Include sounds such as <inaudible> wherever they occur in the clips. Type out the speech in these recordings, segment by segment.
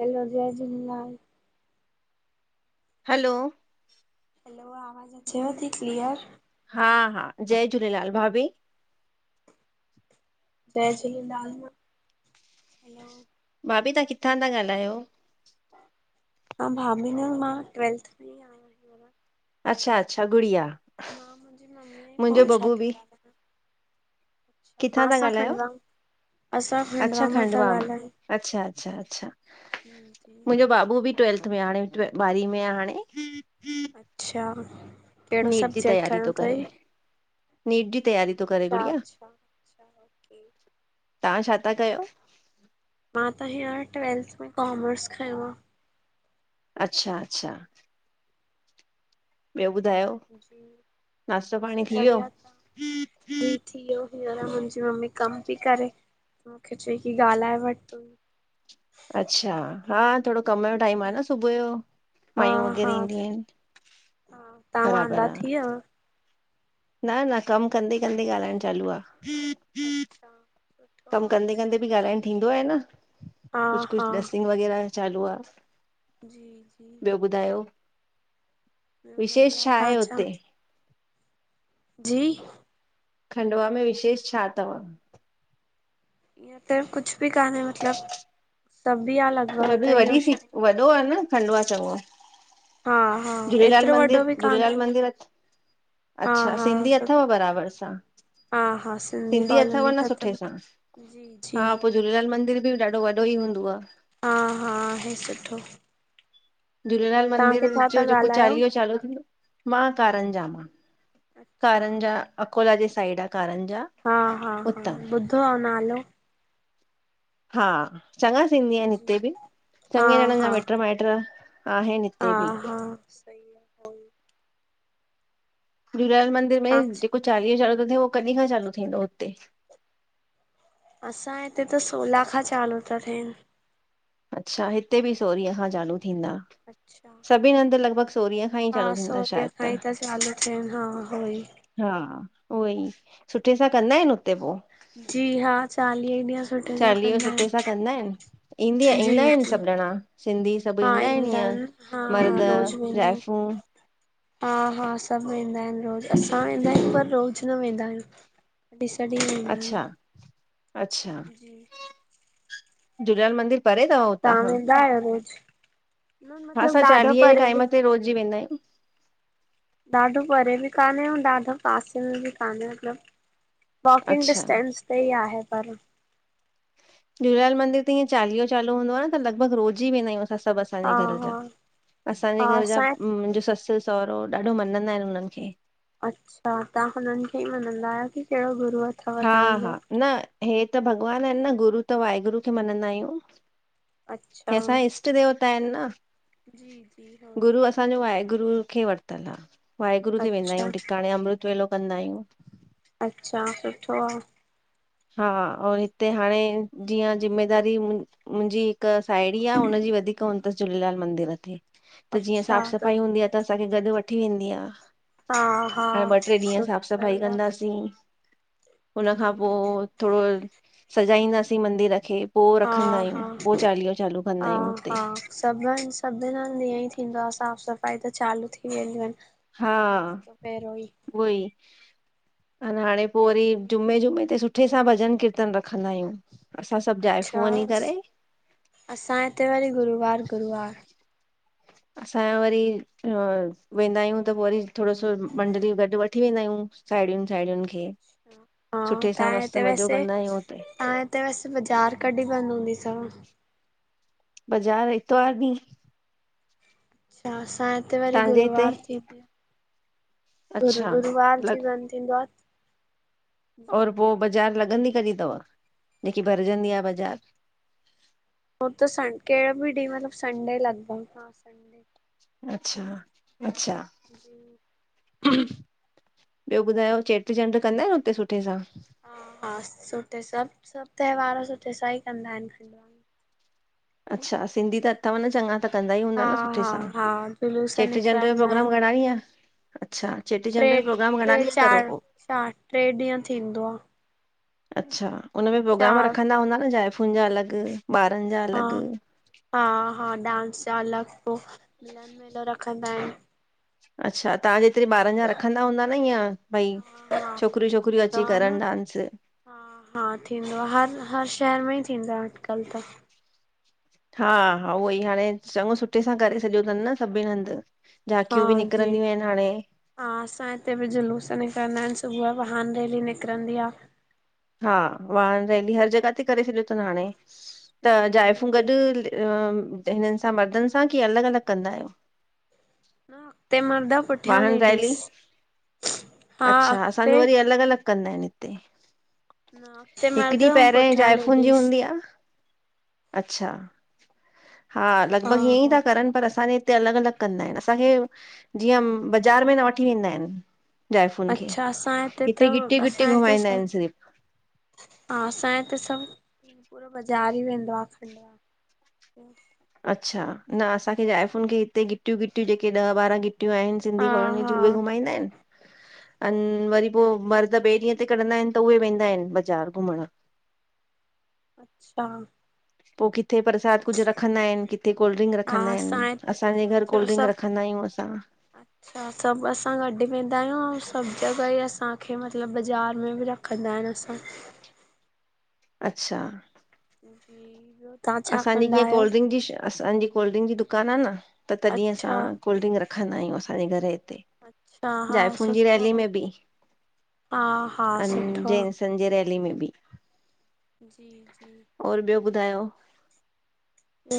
हलो जय Jhulelal hello hello आवाज़ अचेव थी क्लीअर हा जय झूलेलाल भाभी जय झूलेलाल भाभी तां किथां था ॻालायो हा भाभी न मां ट्वेल्थ हींअर। अच्छा अच्छा गुड़िया मुंहिंजो पोए छा बबू बि थींदो किथां मां था सां ॻाल्हायो? खंडवा असां अच्छा मां था खंडवा, ॻाल्हायूं। अच्छा अच्छा अच्छा जी जी मुहिंजो बाबू भी ट्वेल्थ में हाणे ॿारहीं में आ हाणे अच्छा कहिड़ो नीट जी सब्जेक्ट तैयारी खयो थो करे थई नीट जी तयारी थो करे गुड़िया। अच्छा अच्छा ओके तां छा था कयो मां त हींअर ट्वेल्थ में कॉमर्स खंयों आ अच्छा अच्छा ॿियो ॿुधायो नाश्तो पाणी थी वियो? बढ़िया जी थियो हींअर मुंहिंजी मम्मी कम पेई करे मूंखे चयईं कि ॻाल्हाए वठु। अच्छा हा थोड़ो कम जो टाइमु जी आहे न सुबुह जो, हा मायूं हा वग़ैरह ईंदियूं आहिनि। हा तव्हां बराबरि वांदा थी आहे वियव? न न कमु कंदे- कंदे ॻाल्हाइणु चालू आहे। अच्छा सुठो कमु आह कंदे कंदे बि ठीकु। ॻाल्हाइण थींदो आहे न हा कुझु- हा कुझु डस्टिंग वग़ैरह चालू आहे। जी -जी ॿियो ॿुधायो ॿियो विशेष बढ़िया छा आहे तव्हां हुते? जी खंडवा में विशेष छा अथव? इंय त कुझु बि कान्हे मतिलब, सभु बि आहे अलगु <unintelligible> वॾी वॾी बि वॾो आहे न खंडुवा आहे चङो आहे। हा हा झूलेलाल एतिरो वॾो मंदिर, बि झूलेलाल कान्हे मंदिरु <unintelligible> हा अच्छा हा सिंधी अथव सुठो बराबरि सां? हा हा सिंधी अथव कॉलोनी न सुठे ठतल सां? जी जी हा प झूलेलाल मंदिर बि ॾाढो वॾो ई हूंदव? हा हा आहे सुठो। झूलेलाल तव्हां मंदिर किथां जो था जेको ॻाल्हायो? चालीहो चालू थींदो मां कारंजा मां अच्छा, कारंजा अकोला जे साइड आहे कारंजा। हा हा हा उतां ॿुधो आह नालो। हा चङा सिंधी आहिनि जी हिते बि हा चङे ॼणनि जा हा मिट माइट आहिनि। हा हिते बि हा सही आहे। झूलेलाल मंदिर में जेको चालीहो चालू थो थिए उहो कॾहिं खां चालू थींदो हुते? असां हिते त सोलाह खां चालू था थियनि। अच्छा हिते बि सोरीअ खां चालू थींदा। अच्छा सभिनी हन्दि लॻभग सोरिंहं हा सोरींहं खां ई त चालू थिया आहिनि। हा उहोई सुठे सां कंदा आहिनि हुते पोइ? जी हा चालीह ई ॾींहं। सुठे सां चालीहो कंदा सुठे सां आहिनि कंदा आहिनिं ईंदी- जी ईंदा आहिनि जी। सभु ॼणा सिंधी? सभु हा ईंदा आहिनि ईअं हा हा मर्द रोज़ वेंदा आहिनि। जाइफूं? हा हा सभु वेंदा आहिनि रोज़ु, असां वेंदा आहियूं पर रोज़ न वेंदा आहियूं। ॾीस बि वेंदा अच्छा आहियूं <unintelligible> अच्छा जी झूलेलाल मंदिर परे अथव हुतां खां? यार रोज़ <unintelligible> न हा मतलब असां ॾाढो चालीहेें जे परे बि टाइम ते रोज़ ई वेंदा आहियूं। ॾाढो परे बि कान्हे ऐं ॾाढो पासे में बि कान्हे मतिलबु वॉकिंग अच्छा डिस्टेंस ते ई आहे पर झूलेलाल मंदर त इंअ चालीहो चालू हूंदो आहे न लॻभॻि रोज़ ई वेंदा आहियूं असां सभु। असांजे हा घर हा जा, असांजे हा घर जा असांजे मुंहिंजो ससु- सहुरो ॾाढो मञंदा आहिनि उन्हनि खे। अच्छा तव्हां हुननि खे ई मञंदा आहियो कि कहिड़ो गुरूअ हा हा न हे त भॻवान आहिनि न गुरू त वाहेगुरू खे मञंदा आहियूं। अच्छा हे असांजा इष्ट देवता आहिनि न जी जी उहोई गुरू असां असांजो वाहेगुरु खे वतलु आ, वाहेगुरु ते वेंदा अच्छा आहियूं टिकाणे अमृत वेलो कंदा आहियूं। अच्छा, सुठो आ। हा और हिते हाणे जीअं ज़िमेदारी हु मुंहिंजी हिक साहेड़ी आ, हुनजी वधीक उन थसि झूलेलाल मंदर ते त जीअं साफ़ सफ़ाई हूंदी आ त असांखे गॾु वठी वेंदी आ। हा हा हाण ॿ, टे ॾींहं सु साफ़ सफ़ाई सही आ कंदासीं हुनखा पोइ थोरो सजाईंदासीं मंदिर खे पोइ रखंदा हा हा आहियूं, पोइ चालीहो चालू कंदा आहियूं हुते सभ हंधि सभिनि हंधि ईअं ई थींदो आ, साफ़ सफ़ाई त चालू थी वेंदियूं आहिनि। हा हफ़्तो पहिरियों ई उहो ई, हाणे पोइ वरी जी, ॼुमें, ॼुमें ते सुठे सां भॼनु कीर्तन रखंदा आहियूं असां सभु जाइफ़ूं वञी करे असां हिते वरी गुरुवार, गुरुवार असांजो वरी वेंदा आहियूं त पोइ वरी थोरो सो मंडलीयू गॾु वठ वठी वेंदा आहियूं, साहेड़ियुनि, साहेड़ियुनि खे हा सुठे सां तहा मस्तु ते मज़ो वैसे कंदा आहियूं हुते तव्हां हिते वसि बाज़ार कॾहिं बंद हूंदी तव? बज़ार इतवार ॾिह। अच्छा असां हिते वरी तव्हांजे हिते गुरवार थी, गुरु, अच्छा गुरूवार जी लग बंद। <unintelligible> और पोइ बज़ारि लॻंदी कॾहिं थव, जेकी भरजंदी आ बजार? हो त सन कहिड़ो बि ॾींहुं मतलबु संडे लॻभॻ हा, संडे अच्छा, अच्छा। <inaudible> ॿियो ॿुधायो चेटी चंड कंदा आहियो हुते सुठे सां? हा, हा सुठे सभु, सभु त्योहार सुठे सां ई कंदा आहिनि। अच्छा सिंधी त अथव न चॻा त कंदा ई हूंदा हा न सुठे हा सां। हा जुलूस चेटीचंड जो निकिरंदा आहिनि प्रोग्राम घणा ॾिह, अच्छा चेटीचंड जो प्रोग्राम घणा ॾिह करो पोइ। सार्टट टे ॾींहं थींदो आ। अच्छा उन में प्रोग्राम चारि रखंदा हूंदा न जाइफ़ुनि जा अलॻि, ॿारनि जा हा अलॻि। हा, हा डांस जा अलॻि पोइ मिलन <unintelligible> रखंदा आहिनि। अच्छा तव्हां जेतिरी ॿारनि जा रखंदा हूंदा न ईअं भई हा हा छोकिरियूं, छोकिरियूं थींदो अची आ न करनि डांस। हा, हा थींदो आ, हर हर शहर में ई थींदो आ अॼुकल्ह त हा हा उहो ई हाणे चगों सुठे सां करे छॾियो थनि न सभिनि हंधि हा, झांकियूं बि जी। निकिरंदियूं आहिनि हाणे हा असां हिते बि जुलूस निकिरंदा आहिनि सुबुह वाहन रैली निकिरंदी आ। हा वाहन रैली हर जॻह ते करे छॾियो थनि हाणे, त जी जाइफ़ू गॾ होॾे हा हिननि सां मर्दनि सां, कीअ अलॻि, अलॻि कंदा आहियूं। अॻिते मर्द, पुठियां वाहन रैली लेडीस, हा अच्छा अॻिते असांजो वरी अलॻि अलॻि कंदा आहिनि हिते, न अॻिते हिकु मर्द ॾींहुं अऊं पहिरें पुठियां जाइफ़ून जी लेडीस हूंदी आ। अच्छा, हा हा लॻभॻि ईए ई हा था करनि पर असांजे हिते अलॻि, अलॻि कंदा आहिनि, असांखे जीअं बाज़ार में न वठी वेंदा आहिन। जाइफ़ुनि खे अच्छा असां त हिते गिटी गिटी असां हिते घुमाईंदा सभ आहिनि सिर्फ़ु हा असांजे हिते सभु पूरो बाज़ारि ई वेंदो आ, <inaudible> अच्छा न असांखे ज़ाइफ़ुनि खे हिते गिटियूं गिटियूं जेके ॾह ॿारहं गिटियूं आहिनि। हा सिंधी कॉलोनी हा जी उहे घुमाईंदा आहिनि अन वरी पो मर्द ॿे ॾींहं ते कढंदा आहिनि त उहे वेंदा आहिनि बाज़ारि घुमणु अच्छा पो किथे परसाद कुझु रखंदा आहिनि किथे प्रसाद कुझु रखंदाईन किथे कोल्ड ड्रिंक हा रखंदा असां आहिनि हिते त असांजे घर सभु कोल्ड ड्रिंक सभु रखंदा आहियूं असां <inaudible> अच्छा सभु असां गॾु वेंदा आहियूं ऐं सभु जॻह ई असांखे मतिलबु बाज़ारि में र <unintelligible> कंदा ऐंन असां अच्छा जी तव्हां छा असांजी कंदा जीअं आहियो कोल्ड ड्रिंक जी शय असांजी कोल्ड ड्रिंक जी दुकानु आ न त तॾहिं अच्छा असां कोल्ड ड्रिंक रखंदा आहियूं असांजे घर हिते अच्छा हा जाइफूनि जी सुठो रैली में ॿि आ हा हा अन सुठो जे आ <unintelligible> संजय रैली में ॿि जी जी और ॿियो ॿुधायो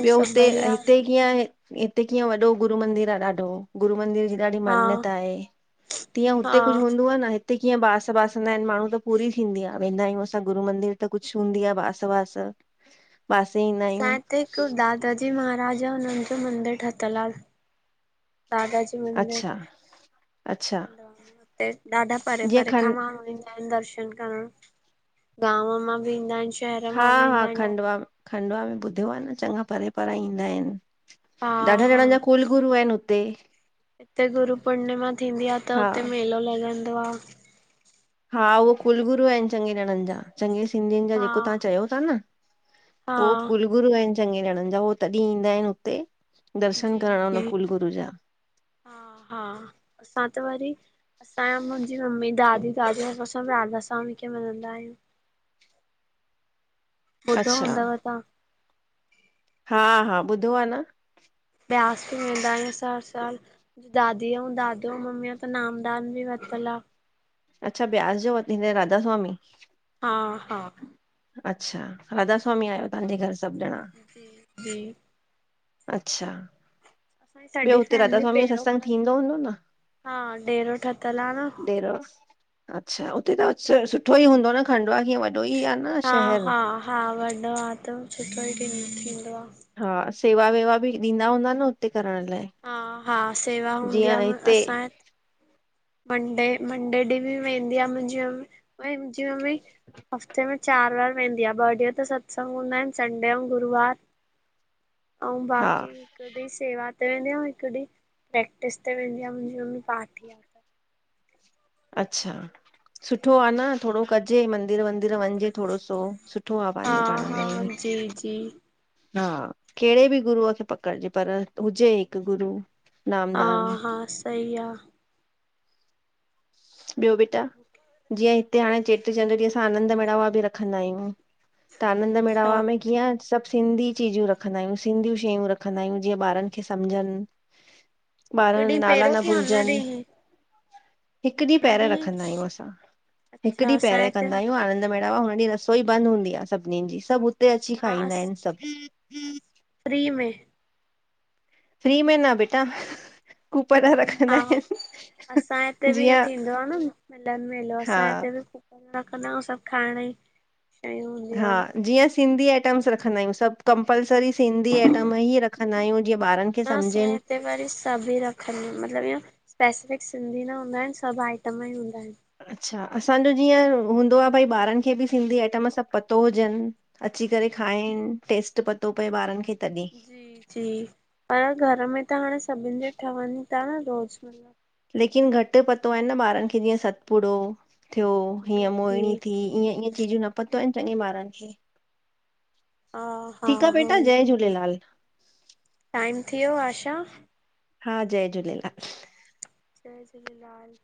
ॿियो सभु हुते बढ़िया हिते कीअं हिते कीअं वॾो गुरू मंदिर आ ॾाढो गुरू मंदर जी ॾाढी हा मान्यता आहे तीअं हुते हा कुझु हूंदो आ न हिते कीअं बास बास इदां आहिनि माण्हू त पूरी थींदी आ वेंदा आहियूं असां गुरू मंदिर त कुझु हूंदी आ बास वास बासे इन असांजे हिते हिकु दादाजी महाराज हुननि जो मंदरु ठक लाल दादा जी <unintelligible> मंदिर अच्छा अच्छा खण्वा मां हुते ॾाढा परे जीअं परे खां खंड माण्हू ईंदा दर्शन करण गांव मां बि ईंदा आहिनि श हा हा खंडवा खंडवा में ॿुधियो आ न चॻा परे परे ईंदा आहिनि हा ॾाढा हा जणनि जा कुलगुरू आहिनि हुते हिते गुरु पूर्णिमा थींदी आ त हा हुते मेलो लॻंदो आहे हा उह कुलगुरू आहिनि चगें ॼणनि जा चगें सिंधियुनि जा हा जेको तव्हां चयो त न हा हो कुलगुरू आहिनि चगें ॼणनि जा उए तॾहिं ईंदा आहिनि हुते दर्शन जी करण जी हुन कुलगुरू जा हा हा असां त वरी असां मुंहिंजी मम्मी दादी दादी सभ राधा स्वामी खें मझिंदा आहियूं <inaudible> ॿुधो अच्छा हूंदव तांह हा हा ॿुधो आ न व्यास ॿि वेंदायूं हर साल दादी। अयूं दादोू मम्मी त नामदान ॿि वरतल आ अच्छा ब्यास जोे वतिन हिन राधा स्वामी हा हा अच्छा राध स्वामी आहियो तव्हांजे घर सभु ॼणा जी। अच्छा। असांजी ॿियो सॼी हुते राधा फैमिली स्वामी जो पहिरों सत्संग खां थींदो हूंदो न। हा डेरो ठतल आ न। डेरो अच्छा हुते त अच्छा सुठो ई हूंदो न खंडुवा कीअं व हा-हा-हा वॾो आ त सुठो ई थी थींदो आ। हा सेवा-वेवा बि ॾींदा हूंदा न हुते करणु लाये। हा हा सेवा हुंदी आ न असांए हिते मंडे, मंडे ॾींहुं बि वेंदी आ मुहिंजी मम्मी, मुहिंजी मम्मी हफ़्ते में चारि वारु वेंदी आ, ॿ ॾिए त सत्संग हुंदा आहिनि संडे ऐं गुरुवार अऊं हा बाक़ी हिकु ॾींहु सेवा ते वेंदी आ, हिकु ॾींहु प्रैक्टिस ते वेंदी आ, मुहिंजी मम्मी पाठी आ। अच्छा सुठो आ न, थोड़ो कॼे मंदिर-वंदिर वञिजे थोड़ो सो। सुठो आ हा पांजे, पाण लाये हा इअं जी जी हा केड़े बि गुरु खे पकड़जे, पर हुजे हिकु गुरु हा हा, सही आ। ॿियो बेटा, जीअं हिते हाणे चेटीचंड ॾींहुं असां आनंद मेड़ावा बि रखंदा आयूं। त आनंद अच्छा मेड़ावा में जीअं सभु सिंधी चीजूं रखंदा आयूं, सिंधी शयूं रखंदा आयूं, जीअं ॿारनि खे सम्झनि हिकु ॿारनि ॾींहुं नाला पहिरियों न की हुन ॾींहुं ई भुलजनि हुन हिकु ॾींहुं पहिरे रखंदा आहियूं असां, हिकु अच्छा ॾींहुं पहिरे असांजे हिते कंदां आयूं आनंद में हा हुन ॾींहुं रसोई बंदि हूंदी आ सभिनिन जी, सभु हुते अची हा खाईंदा आहिनि सभु फ्री में फ्री में ना बेटा कूपन रखंदा आहो! आहिनि असां हिते बि इएं जीअं थींदो आ, न मिलन मेलो हा असांजे हिते बि खूब न कंदां आयूं सभु खाइणी। हा, जीअं सिंधी आइटम्स रखंदा आहियूं सभु कंपलसरी सिंधी जी आइटम ईं रखंदा आहियूं, जीअं ॿारनि खे समझेनि। तभी रखनि, मतिलबु इअं स्पेसिफिक सिंधी न हुंदा आहिनि, सभु आइटम ईं हुंदा आहिनि। अच्छा, असांजो जीअं हुंदो आ, भई ॿारनि खे बि सिंधी आइटम सभु पतो हुजनि। अची करे खाइनि, टेस्ट पतो पए ॿारनि खे। तॾहिं जी, जी, पर घरु में त हाणे सभिनि जे ठवनि ता न रोज़ु मतिलबु लेकिन घटि पतो आहे न ॿारनि खे, जीअं सतपुड़ो थियो, हीअं जी मोहिणी जी थी, इएं इएं चीजूं न पतो आहिनि चङे ॿारनि खें, हा हा ठीकु आ बेटा जय झूलेलाल। टाईम थी वियो आ शा? हा जय झूलेलाल जय झूलेलाल।